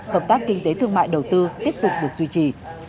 hợp tác kinh tế thương mại đầu tư tiếp tục được duy trì